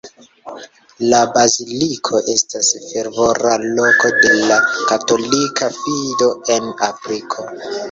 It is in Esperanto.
La baziliko estas fervora loko de la katolika fido en Afriko.